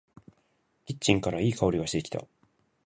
キッチンからいい香りがしてきた。